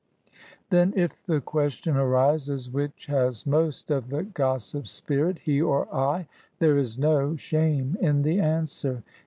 Then^ if the question arises which has most of the gossip spirit, he or I, there is no shame in the answer.